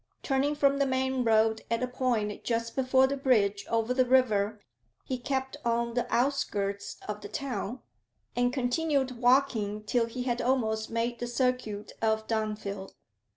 Turning from the main road at a point just before the bridge over the river, he kept on the outskirts of the town, and continued walking till he had almost made the circuit of Dunfield.